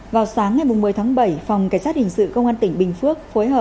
vào sáng ngày một mươi bảy phòng cảnh sát hình sự công an tỉnh bình phước